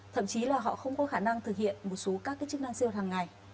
thậm chí là họ không có khả năng thực hiện một số các chức năng seo thằng ngày